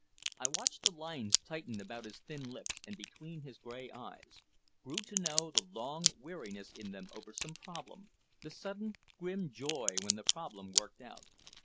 I watched the lines tighten about his thin lips and between his gray eyes, grew to know the long weariness in them over some problem, the sudden grim joy when the problem worked out.